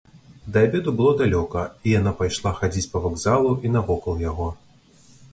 Да абеду было далёка, і яна пайшла хадзіць па вакзалу і навокал яго.